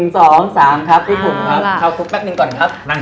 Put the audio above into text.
สองสามสี่ห้าห้าที่ไหนเกิดอีกครับ